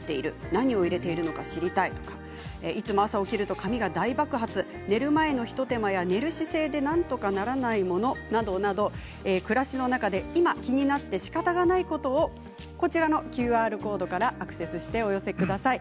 何を入れているのか知りたいとかいつも朝起きると髪が大爆発寝る前の一手間や寝る姿勢でなんとかならないものなどなど暮らしの中で今気になってしかたがないことをこちらのＱＲコードからアクセスしてお寄せください。